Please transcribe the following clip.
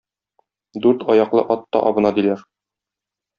Дүрт аяклы ат та абына, диләр.